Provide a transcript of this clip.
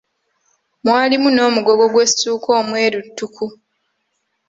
Mwalimu n'omugogo gw'essuuka omweru ttuku.